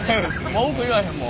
文句言わへんもん。